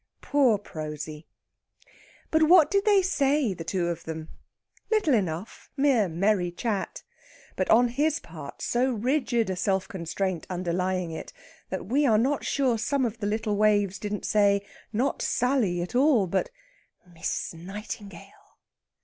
Poor Prosy! But what did they say, the two of them? Little enough mere merry chat. But on his part so rigid a self constraint underlying it that we are not sure some of the little waves didn't say not Sally at all, but Miss Nightingale!